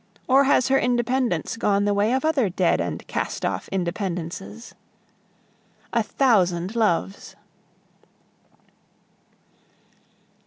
or has her independence gone the way of other dead and castoff independences?" A thousand loves.